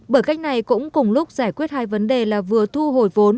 bởi cách này cũng cùng lúc giải quyết hai vấn đề là vừa thu hồi vốn